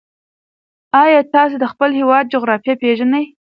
ایا تاسې د خپل هېواد جغرافیه پېژنئ؟